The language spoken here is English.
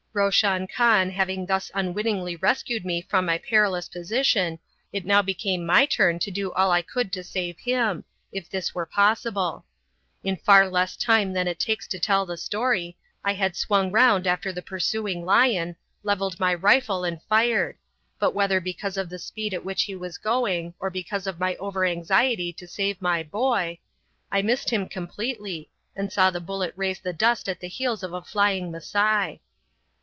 Roshan Khan having thus unwittingly rescued me from my perilous position, it now became my turn to do all I could to save him, if this were possible. In far less time than it takes to tell the story, I had swung round after the pursuing lion, levelled my rifle and fired; but whether because of the speed at which he was going, or because of my over anxiety to save my "boy", I missed him completely, and saw the bullet raise the dust at the heels of a flying Masai.